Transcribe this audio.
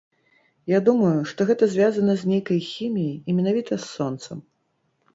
Я думаю, што гэта звязана з нейкай хіміяй і менавіта з сонцам.